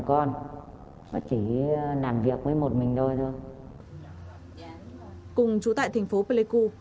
cùng dũng tại thành phố pleiku